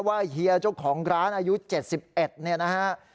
เฮียเจ้าของร้านอายุ๗๑เนี่ยนะฮะ